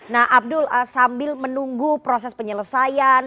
nah abdul sambil menunggu proses penyelesaian